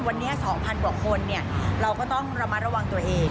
วันนี้๒๐๐กว่าคนเราก็ต้องระมัดระวังตัวเอง